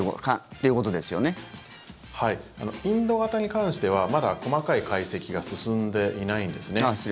はい、インド型に関してはまだ細かい解析が進んでいないんですね。